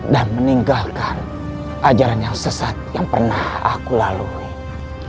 dan meninggalkan ajaran yang sesat yang pernah aku lalui